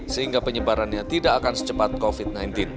sehingga penyebarannya tidak akan secepat covid sembilan belas